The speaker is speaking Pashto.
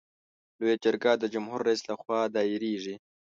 لویه جرګه د جمهور رئیس له خوا دایریږي.